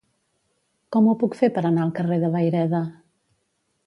Com ho puc fer per anar al carrer de Vayreda?